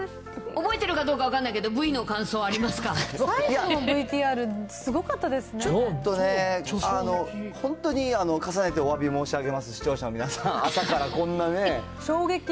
覚えてるかどうか分からないけど、最後のＶＴＲ、すごかったでちょっとね、本当に重ねておわびを申し上げます、視聴者の皆さん、朝からこん衝撃。